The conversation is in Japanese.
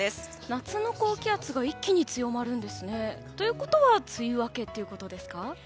夏の高気圧が一気に強まるんですね。ということは梅雨明けということですか？